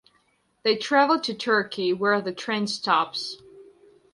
They travel to Turkey, where the train stops.